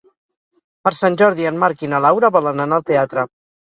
Per Sant Jordi en Marc i na Laura volen anar al teatre.